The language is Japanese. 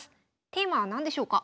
テーマは何でしょうか？